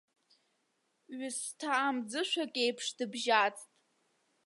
Ҩысҭаа мӡышәак иеиԥш дыбжьаӡт.